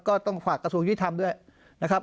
ก็ต้องฝากกระทรวงยุติธรรมด้วยนะครับ